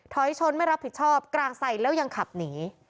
ชนไม่รับผิดชอบกลางใส่แล้วยังขับหนี